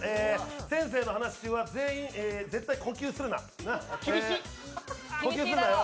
先生の話し中は全員、絶対呼吸するなよ。